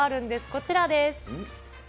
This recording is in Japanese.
こちらです。